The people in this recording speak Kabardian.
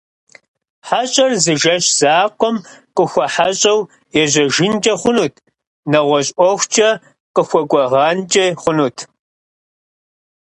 Хьэщӏэр зы жэщ закъуэм къыхуэхьэщӏэу ежьэжынкӏэ хъунут, нэгъуэщӏ ӏуэхукӏэ къыхуэкӏуагъэнкӏэ хъунут.